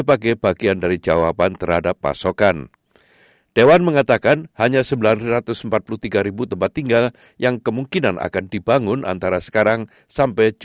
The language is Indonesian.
pemerintah tidak akan memiliki ruang untuk menjaga kualifikasi universitas